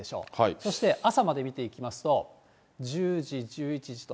そして、朝まで見ていきますと、１０時、１１時と。